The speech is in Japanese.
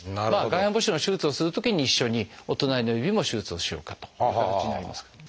外反母趾の手術をするときに一緒にお隣の指も手術をしようかという形になりますかね。